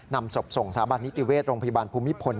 นำศพส่งสาบัตินิตรีเวทย์โรงพยาบาลภูมิพล